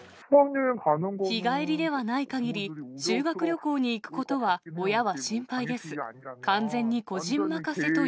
日帰りではないかぎり、修学旅行に行くことは親は心配です。